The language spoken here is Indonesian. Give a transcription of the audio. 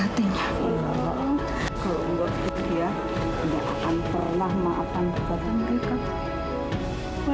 kalau mbak anang kalau mbak anang dia gak akan pernah maafkan mereka